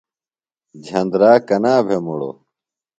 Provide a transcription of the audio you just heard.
جھندرا کنا بھےۡ مُڑوۡ ؟